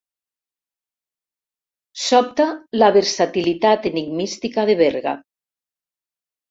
Sobta la versatilitat enigmística de Berga.